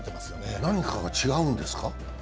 何かが違うんですか？